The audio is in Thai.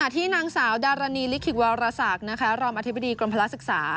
ที่นางสาวดารณีลิขิกวรศักดิ์รองอธิบดีกรมพละศึกษา